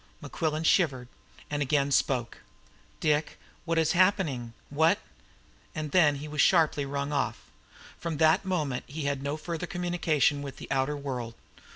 Mequillen shivered, and again spoke. "Dick, what is happening? What " And then he was sharply rung off. From that moment he had no further communication with the outer world.